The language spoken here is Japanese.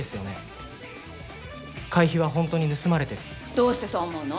どうしてそう思うの？